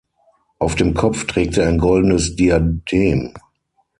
Auf dem Kopf trägt sie ein goldenes Diadem.